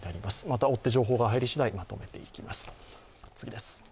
また追って情報が入りしだい、まとめていきます。